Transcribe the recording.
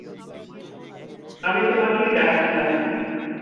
আমি তোমাকেই ডাক ছিলাম।